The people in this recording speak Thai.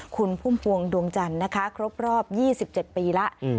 คุณพุ่มพวงดวงจันทร์นะคะครบรอบ๒๗ปีแล้ว